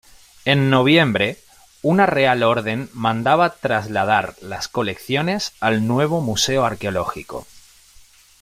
En noviembre, una real orden mandaba trasladar las colecciones al nuevo Museo Arqueológico.